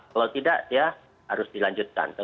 kalau tidak ya harus dilanjutkan